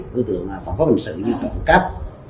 đối tượng phòng pháp hành sự đi cộng cấp